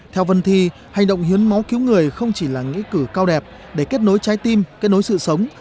theo vân thi hành động hiến máu cứu người không chỉ là nghĩa cử cao đẹp để kết nối trái tim kết nối sự sống